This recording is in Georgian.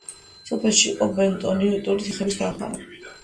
სოფელში იყო ბენტონიტური თიხების ქარხანა.